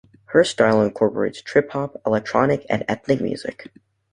Her style incorporates trip hop, electronic and ethnic music.